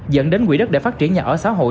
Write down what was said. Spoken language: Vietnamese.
dẫn đến quỹ đất để phát triển nhà ở xã hội